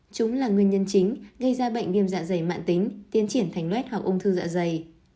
chúng là nguyên nhân chính gây ra bệnh viêm dạ dày mạng tính tiến triển thành luét hoặc ung thư dạ dày